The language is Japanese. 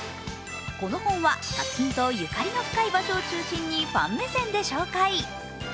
この本は、作品とゆかりの深い場所を中心にファン目線で紹介。